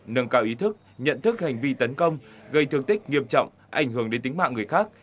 nâng cao ý thức nhận thức hành vi tấn công gây thương tích nghiêm trọng ảnh hưởng đến tính mạng người khác